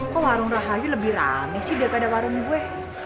kok warung rahayu lebih rame sih daripada warung gue